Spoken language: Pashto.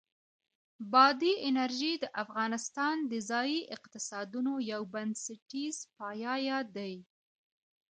بادي انرژي د افغانستان د ځایي اقتصادونو یو بنسټیز پایایه دی.